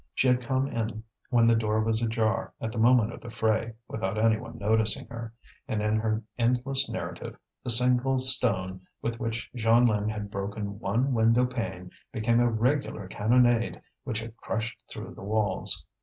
She had come in when the door was ajar at the moment of the fray, without any one noticing her; and in her endless narrative the single stone with which Jeanlin had broken one window pane became a regular cannonade which had crushed through the walls.